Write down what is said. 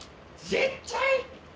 絶対。